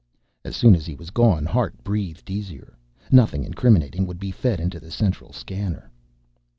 As soon as he was gone, Hart breathed easier. Nothing incriminating would be fed into the Central Scanner.